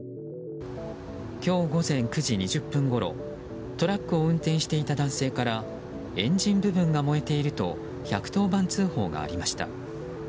今日午前９時２０分ごろトラックを運転していた男性からエンジン部分が燃えていると１１０番通報がありました。